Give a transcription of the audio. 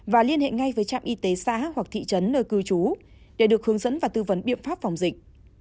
và liên hệ ngay với trạm y tế xã hoặc thị trấn nơi cư trú để được hướng dẫn và tư vấn biện pháp phòng dịch